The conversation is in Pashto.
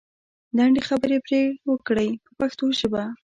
لنډې خبرې پرې وکړئ په پښتو ژبه.